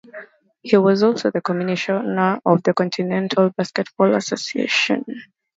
He was also the commissioner of the Continental Basketball Association.